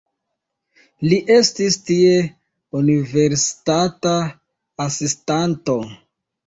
Li estis tie universitata asistanto.